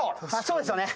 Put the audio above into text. そうですよね。